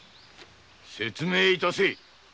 説明いたせ！